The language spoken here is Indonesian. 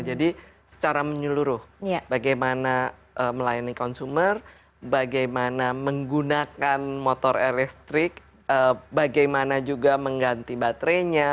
jadi secara menyeluruh bagaimana melayani konsumer bagaimana menggunakan motor elektrik bagaimana juga mengganti baterainya